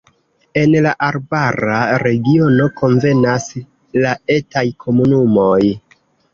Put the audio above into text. En la arbara regiono konvenas la etaj komunumoj.